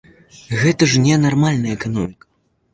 Гэта ж не нармальная эканоміка!